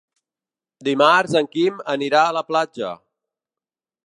Dimarts en Quim anirà a la platja.